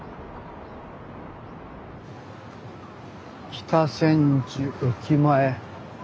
北千住駅前。